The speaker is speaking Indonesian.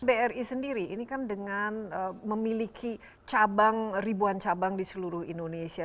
bri sendiri ini kan dengan memiliki ribuan cabang di seluruh indonesia